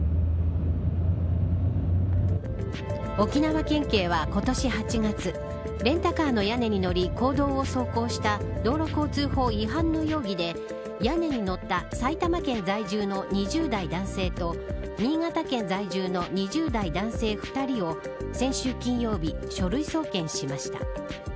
沖縄県警は今年８月レンタカーの屋根に乗り公道を走行した道路交通法違反の容疑で屋根に乗った埼玉県在住の２０代男性と新潟県在住の２０代男性２人を先週金曜日、書類送検しました。